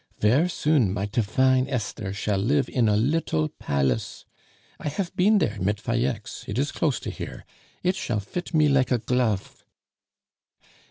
Ver' soon my difine Esther shall life in a little palace.... I hafe been dere mit Falleix it is close to here. It shall fit me like a glofe."